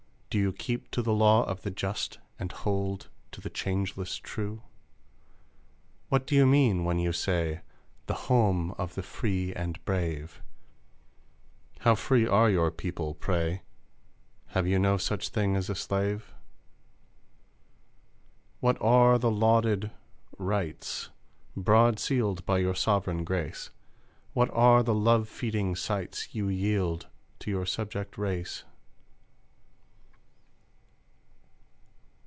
Do you keep to the law of the just, And hold to the changeless true? What do you mean when you say "The home of the free and brave?" How free are your people, pray? Have you no such thing as a slave? What are the lauded "rights," Broad sealed by your Sovereign Grace? What are the love feeding sights You yield to your subject race?